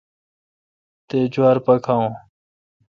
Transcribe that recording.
تے°جوار پا کھاوون۔